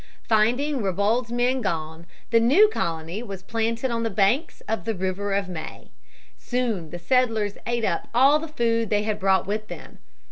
Finding Ribault's men gone, the new colony was planted on the banks of the River of May. Soon the settlers ate up all the food they had brought with them.